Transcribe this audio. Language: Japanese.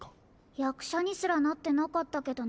やくしゃにすらなってなかったけどね。